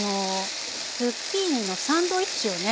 ズッキーニのサンドイッチをね